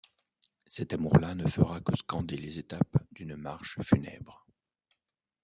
Cet amour-là ne fera que scander les étapes d'une marche funèbre.